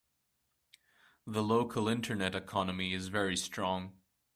The local internet economy is very strong.